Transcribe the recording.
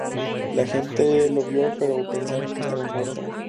La gente lo vio, pero pensaron que estaba muerto.